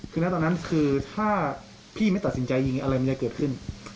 คือนะตอนนั้นคือถ้าพี่ไม่ตัดสินใจยิงอะไรมันจะเกิดขึ้น